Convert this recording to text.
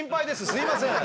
すいません。